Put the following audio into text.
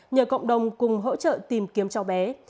nhờ cộng đồng cùng hỗ trợ tìm kiếm cháu bé